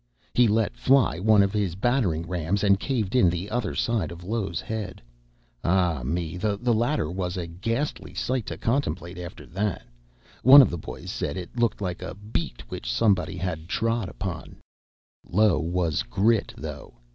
He let fly one of his battering rams and caved in the other side of Low's head. Ah me, the latter was a ghastly sight to contemplate after that one of the boys said it looked "like a beet which somebody had trod on it." Low was "grit" though.